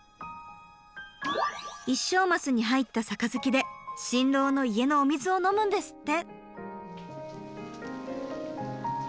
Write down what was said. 一升マスに入った杯で新郎の家のお水を飲むんですって。